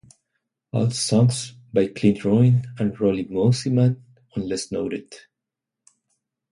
All songs by Clint Ruin and Roli Mosimann unless noted.